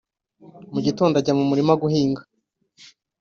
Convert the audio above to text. Mu gitondo ajya mu murima guhinga